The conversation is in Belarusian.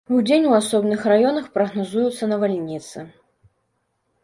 Удзень у асобных раёнах прагназуюцца навальніцы.